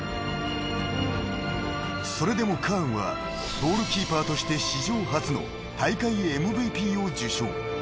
［それでもカーンはゴールキーパーとして史上初の大会ＭＶＰを受賞］